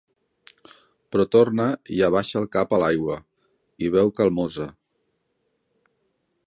Però torna, i abaixa el cap a l'aigua, i beu calmosa.